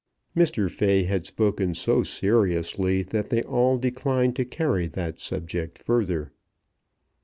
Mr. Fay had spoken so seriously that they all declined to carry that subject further.